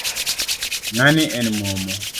Ngani en momo